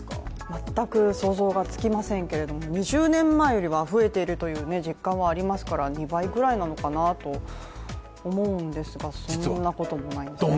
全く想像がつきませんけれども２０年前よりは増えている実感はありますから２倍くらいなのかなと思うんですが、そんなこともないんですね。